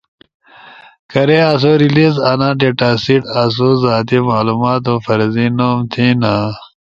کارے آسو ریلیس انا ڈیٹا سیٹ، آسو زاتی معلوماتو فرضی نوم تھینا،